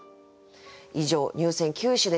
以上入選九首でした。